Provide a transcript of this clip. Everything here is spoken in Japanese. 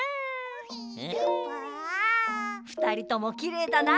ふたりともきれいだな！